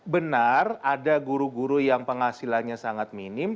benar ada guru guru yang penghasilannya sangat minim